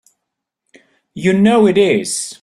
You know it is!